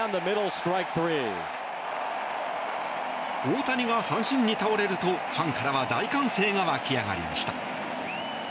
大谷が三振に倒れるとファンからは大歓声が沸き上がりました。